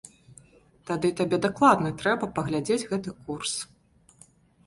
Тады табе дакладны трэба паглядзець гэты курс!